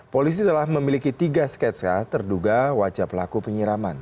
polisi telah memiliki tiga sketsa terduga wajah pelaku penyiraman